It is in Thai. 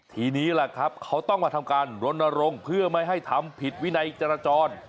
ทีนี้แหละครับเขาต้องมาทำการรณรงค์เพื่อไม่ให้ทำผิดวินัยจราจร